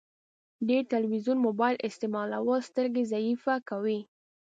ډير تلويزون مبايل استعمالول سترګي ضعیفه کوی